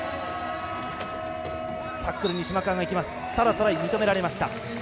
トライ、認められました。